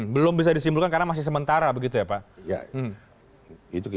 belum bisa disimpulkan karena masih sementara begitu ya pak